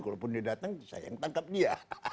kalaupun dia datang sayang tangkap dia